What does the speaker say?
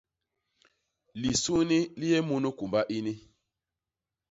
Lisuni li yé munu kumba ini.